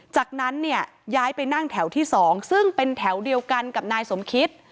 จากนั้นเนี่ยย้ายไปนั่งแถวที่๒ซึ่งเป็นแถวเดียวกันกับนายสมคิต